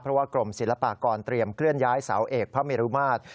เพราะว่ากรมศิลปากรเตรียมเคลื่อนย้ายเสาเอกพระเมรุมาตร